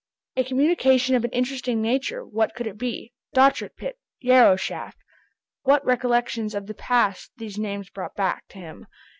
A communication of an interesting nature, what could it be? Dochart pit. Yarrow shaft! What recollections of the past these names brought back to him!